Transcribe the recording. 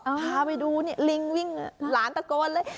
พาไปดูนี่ลิงวิ่งหลานตะโกนเลย